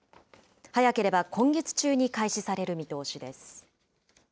早ければ今月中に開始される見通しです。